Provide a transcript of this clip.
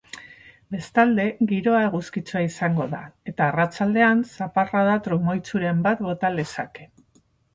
Bestalde, giroa eguzkitsua izango da eta arratsaldean zaparrada trumoitsuren bat bota lezake.